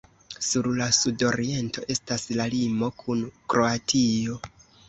Sur la sudoriento estas la limo kun Kroatio.